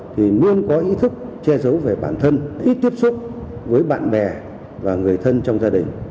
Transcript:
thì luôn có ý thức che giấu về bản thân ít tiếp xúc với bạn bè và người thân trong gia đình